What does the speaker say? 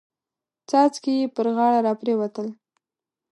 څاڅکي يې پر غاړه را پريوتل.